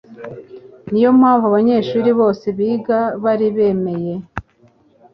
Niyo mpamvu abanyeshuri bose biga bari bemeye